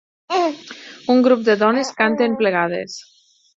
Un grup de dones canten plegades.